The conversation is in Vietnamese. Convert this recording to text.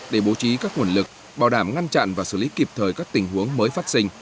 để bố trí các nguồn lực bảo đảm ngăn chặn và xử lý kịp thời các tình huống mới phát sinh